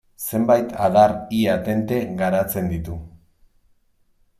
Zenbait adar ia-tente garatzen ditu.